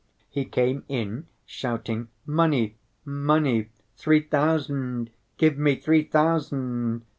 He came in shouting, 'Money, money, three thousand! Give me three thousand!